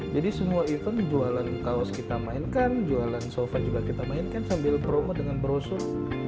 jadi semua event jualan kaos kita mainkan jualan sofa juga kita mainkan sambil promo dengan brosur